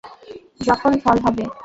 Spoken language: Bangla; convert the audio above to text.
যখন ফল হবে।